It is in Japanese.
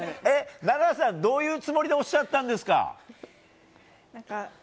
菜那さん、どういうつもりでおっしゃったんですか？